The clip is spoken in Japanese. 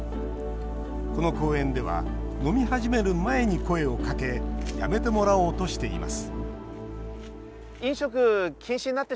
この公園では飲み始める前に声をかけやめてもらおうとしています